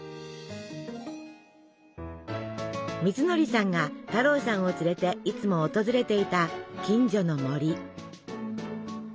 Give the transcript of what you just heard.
みつのりさんが太郎さんを連れていつも訪れていた近所の森。